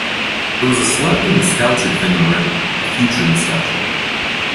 It was a slightly nostalgic thing already, a future nostalgia.